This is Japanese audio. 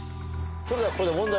それではここで。